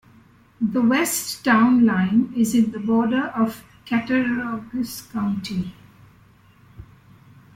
The west town line is the border of Cattaraugus County.